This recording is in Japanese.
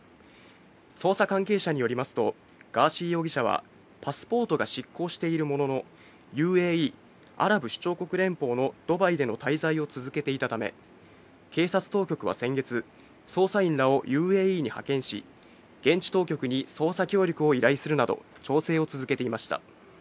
捜査関係者によりますと、ガーシー容疑者はパスポートが失効しているもののＵＡＥ＝アラブ首長国連邦のドバイでの滞在を続けていたため警察当局は先月、捜査員らをＵＡＥに派遣し、現地当局に捜査協力を依頼するなど、調整を続けていました。